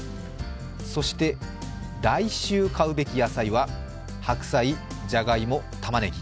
そして、来週買うべき野菜は白菜、じゃがいも、たまねぎ。